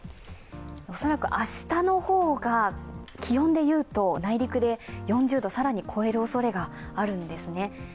恐らく明日の方が気温でいうと内陸で４０度を更に超えるおそれがあるんですね。